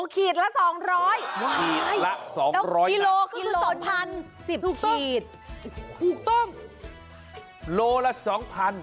ขีดละสองร้อยนึกต้องลูล่ะสองพัน